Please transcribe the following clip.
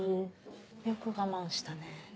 よく我慢したね。